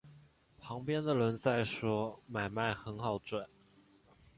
旁边的人在说买卖很好赚